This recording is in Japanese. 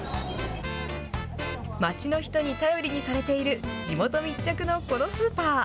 町の人に頼りにされている地元密着のこのスーパー。